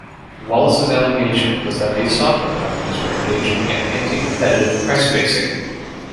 Wallace's allegation was that these software companies were engaging in anticompetitive price fixing.